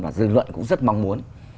và dư luận cũng rất mong muốn